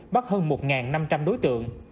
bắt hơn một năm trăm linh đối tượng